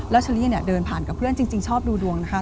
เชอรี่เนี่ยเดินผ่านกับเพื่อนจริงชอบดูดวงนะคะ